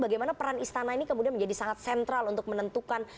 bagaimana peran istana ini kemudian menjadi sangat sentral untuk menentukan